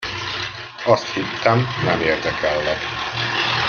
Azt hittem, nem érdekellek.